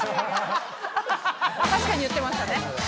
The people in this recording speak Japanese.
確かに言ってましたね。